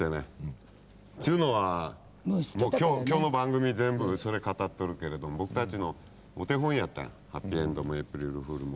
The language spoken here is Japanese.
っちゅうのは今日の番組全部それ語っとるけれども僕たちのお手本やったんやはっぴいえんどもエイプリル・フールも。